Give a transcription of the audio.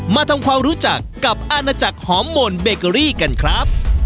มาทำความรู้จักกับอาณาจักรหอมหม่นเบเกอรี่กันครับ